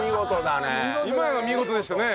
今の見事でしたね。